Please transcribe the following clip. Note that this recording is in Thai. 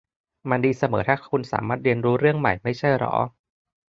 มันดีเสมอถ้าคุณสามารถเรียนรู้เรื่องใหม่ ไม่ใช่หรอ